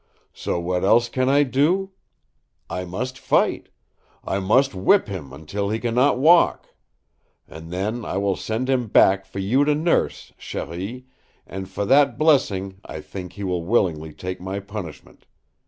So what else can I do? I must fight. I must whip him until he can not walk. And then I will send him back for you to nurse, cherie, and for that blessing I think he will willingly take my punishment!